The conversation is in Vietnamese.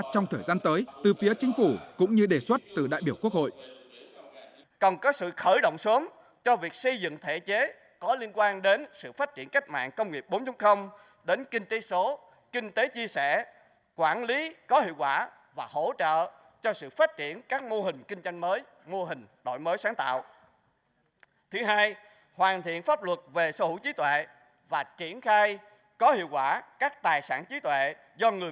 trong thời gian tới từ phía chính phủ cũng như đề xuất từ đại biểu quốc hội